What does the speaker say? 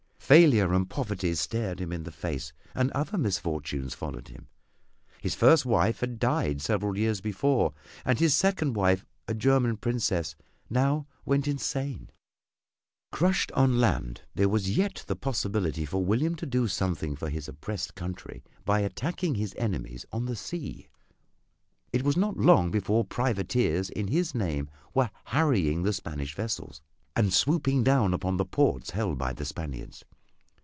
Failure and poverty stared him in the face, and other misfortunes followed him. His first wife had died several years before, and his second wife, a German princess, now went insane. Crushed on land, there was yet the possibility for William to do something for his oppressed country by attacking his enemies on the sea. It was not long before privateers in his name were harrying the Spanish vessels and swooping down upon the ports held by the Spaniards.